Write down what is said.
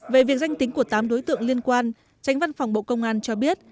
về việc danh tính của tám đối tượng liên quan tránh văn phòng bộ công an cho biết